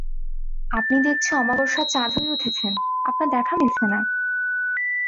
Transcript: আপনি দেখছি অমাবস্যার চাঁদ হয়ে উঠেছেন, আপনার দেখা মিলছে না।